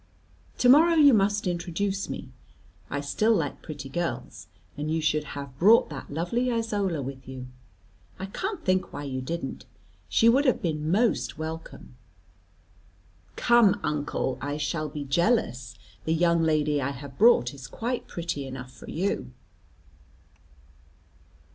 To morrow, you must introduce me. I still like pretty girls, and you should have brought that lovely Isola with you. I can't think why you didn't. She would have been most welcome." "Come, uncle, I shall be jealous. The young lady I have brought is quite pretty enough for you."